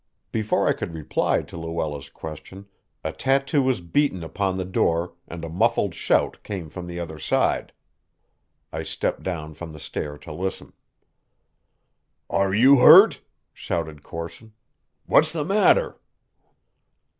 Before I could reply to Luella's question, a tattoo was beaten upon the door and a muffled shout came from the other side. I stepped down from the stair to listen. "Are you hurt?" shouted Corson. "What's the matter?"